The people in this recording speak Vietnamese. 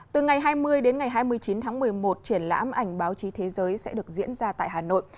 từ ngày hai mươi đến ngày hai mươi chín tháng một mươi một triển lãm ảnh báo chí thế giới sẽ được diễn ra tại hà nội